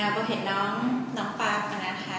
บอกเห็นน้องปาบก่อนนะคะ